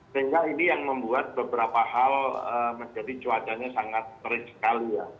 sehingga ini yang membuat beberapa hal menjadi cuacanya sangat terik sekali ya